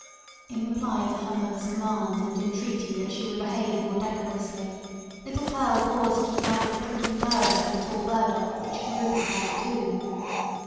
In reply to her mother's command and entreaty that she would behave more decorously, little Pearl paused to gather the prickly burrs from a tall burdock which grew beside the tomb.